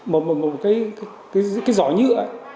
một cái giỏ nhựa